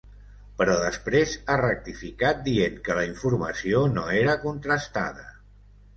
Però després ha rectificat dient que la informació no era contrastada.